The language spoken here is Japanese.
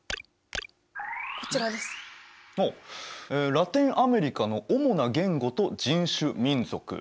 「ラテンアメリカの主な言語と人種・民族」。